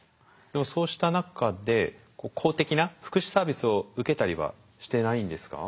でもそうした中で公的な福祉サービスを受けたりはしてないんですか？